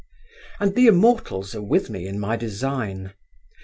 And the immortals are with me in my design.